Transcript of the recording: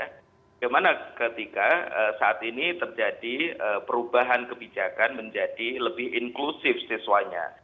bagaimana ketika saat ini terjadi perubahan kebijakan menjadi lebih inklusif siswanya